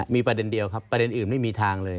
มีประเด็นเดียวครับประเด็นอื่นไม่มีทางเลย